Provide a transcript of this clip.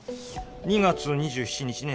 ２月２７日ね